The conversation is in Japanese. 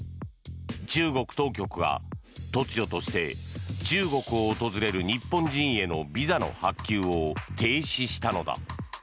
中国当局が突如として中国を訪れる日本人へのビザの発給を停止したのだ。